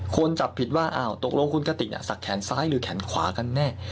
คนจับผิดว่าอ้าวตกลงคุณกติกสักแขนซ้ายหรือแขนขวากันแน่